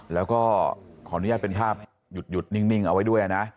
แล้วก็ขออนุญาตเป็นภาพหยุดนิ่งเอาไว้ด้วยนะ